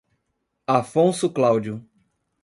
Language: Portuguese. Afonso Cláudio